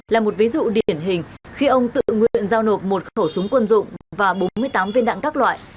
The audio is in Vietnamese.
là một ví dụ điển hình khi ông tự nguyện giao nộp một khẩu súng quân dụng và bốn mươi tám viên đạn các loại